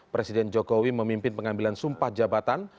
presiden jokowi memimpin pengambilan sumpah jabatan